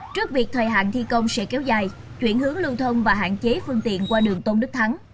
trước việc thời hạn thi công sẽ kéo dài chuyển hướng lưu thông và hạn chế phương tiện qua đường tôn đức thắng